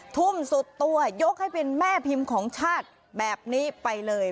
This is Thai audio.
ทุ่มสุดตัวยกให้เป็นแม่พิมพ์ของชาติแบบนี้ไปเลย